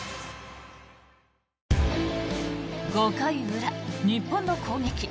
５回裏、日本の攻撃。